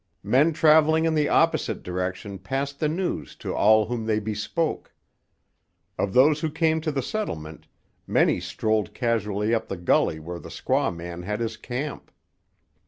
Men travelling in the opposite direction passed the news to all whom they bespoke. Of those who came to the settlement, many strolled casually up the gully where the squaw man had his camp.